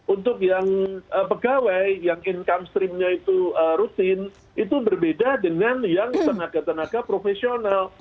untuk yang pegawai yang income streamnya itu rutin itu berbeda dengan yang tenaga tenaga profesional